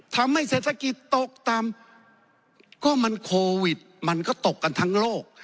ทำให้เศรษฐกิจตกต่ำก็มันโควิดมันก็ตกกันทั้งโลก